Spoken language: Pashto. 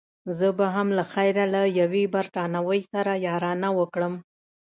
زه به هم له خیره له یوې بریتانوۍ سره یارانه وکړم.